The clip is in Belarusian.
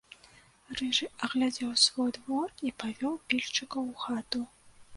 Рыжы агледзеў свой двор і павёў пільшчыкаў у хату.